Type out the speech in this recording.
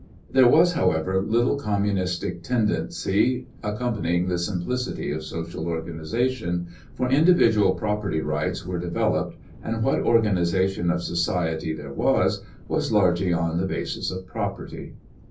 There was however little communistic tendency accompanying the simplicity of social organization, for individual property rights were developed and what organization of society there was, was largely on the basis of property.